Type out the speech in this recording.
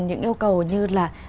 những yêu cầu như là